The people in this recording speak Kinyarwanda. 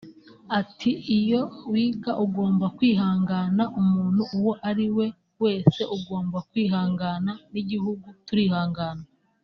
Ati “Iyo wiga ugomba kwihangana…umuntu uwo ari wese agomba kwihangana n’igihugu turihangana